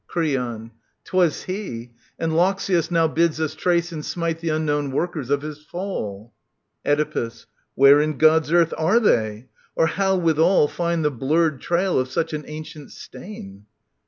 Creon. 'Twas he. And Loxias now bids us trace And smite the unknown workers of his fall. Oedipus. Where in God's earth are they ? Or how withal Find the blurred trail of such an ancient stain